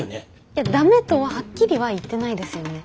いや「ダメ」とははっきりは言ってないですよね。